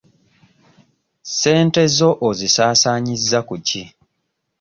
Ssente zo ozisaasaanyiza ku ki?